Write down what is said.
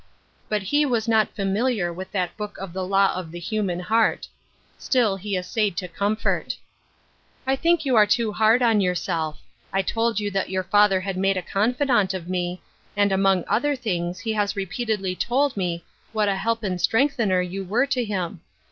But he was not familiar with that book of the law of the human heart. Still he essayed to comfort. " 1 think you are too hard on yourself. I told you that your father had made a confidant of me, and among other things he has repeatedly told me what a help and strengthener you were to him.